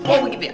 oh begitu ya